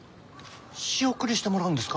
仕送りしてもらうんですか？